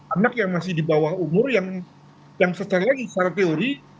anak yang masih di bawah umur yang secara teori